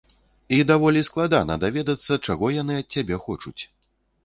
І даволі складана даведацца, чаго яны ад цябе хочуць.